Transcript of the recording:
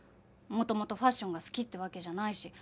元々ファッションが好きってわけじゃないし